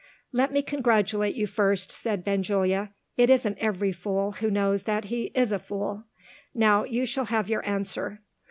"Let me congratulate you first," said Benjulia. "It isn't every fool who knows that he is a fool. Now you shall have your answer.